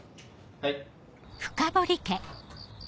はい。